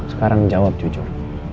sekarang jawab jujur